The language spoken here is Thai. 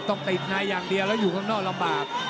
ต้องติดในอย่างเดียวแล้วอยู่ข้างนอกลำบาก